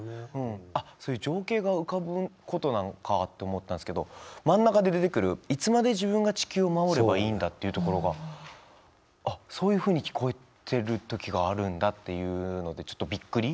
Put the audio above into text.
あっそういう情景が浮かぶことなのかあって思ったんですけど真ん中で出てくる「いつまで自分が地球を守ればいいんだ」っていうところがあっそういうふうに聞こえてる時があるんだっていうのでちょっとびっくり。